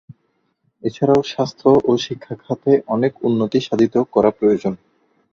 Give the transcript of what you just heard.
এছাড়াও স্বাস্থ্য ও শিক্ষা খাতে অনেক উন্নতি সাধিত করা প্রয়োজন।